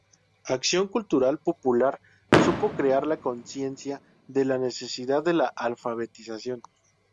Acción Cultural Popular supo crear la conciencia de la necesidad de la alfabetización.